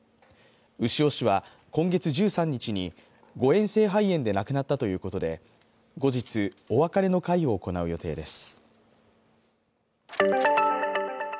牛尾氏は今月１３日に誤えん性肺炎で亡くなったということで後日、お別れの会を行う予定です。